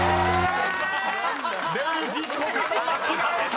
［礼二コカド間違えた！］